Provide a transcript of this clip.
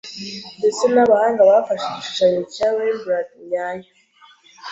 Ndetse nabahanga bafashe igishushanyo cya Rembrandt nyayo.